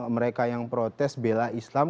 mereka yang protes bela islam